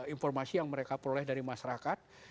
informasi yang mereka peroleh dari masyarakat